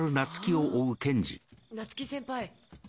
夏希先輩。